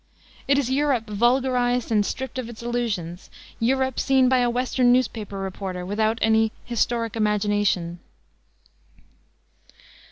It is Europe vulgarized and stripped of its illusions Europe seen by a Western newspaper reporter without any "historic imagination."